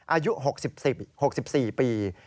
อายุ๖๔ปี